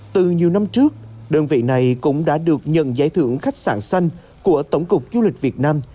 từ nhiều năm trước đơn vị này cũng đã được nhận giải thưởng khách sạn xanh của tổng cục du lịch việt nam